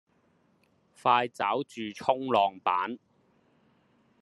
快抓住衝浪板